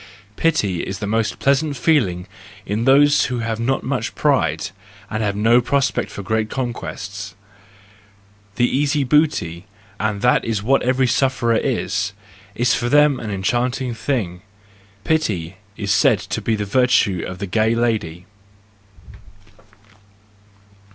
—Pity is the most pleasant feeling in those who have not much pride, and have no prospect of great conquests: the easy booty—and that is what every sufferer is—Is for them an enchanting thing. Pity is said to be the virtue of the gay lady.